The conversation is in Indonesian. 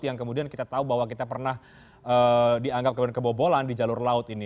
yang kemudian kita tahu bahwa kita pernah dianggap kebobolan di jalur laut ini